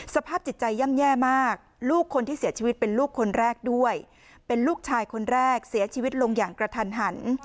สภาพจิตใจย่ำแย่มากลูกคนที่เสียชีวิตเป็นลูกคนแรกด้วยเป็นลูกชายคนแรกเสียชีวิตลงอย่างกระทันหัน